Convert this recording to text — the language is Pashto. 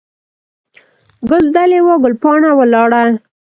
ګل دلې وو، ګل پاڼه ولاړه.